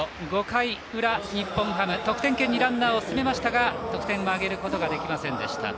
５回裏、日本ハム得点圏にランナーを進めましたが得点を挙げることはできませんでした。